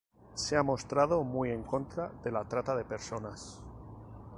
Se ha mostrado muy en contra de la trata de personas.